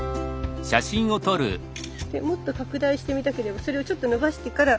もっと拡大して見たければそれをちょっとのばしてから。